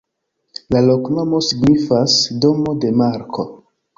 La loknomo signifas: domo de Marko.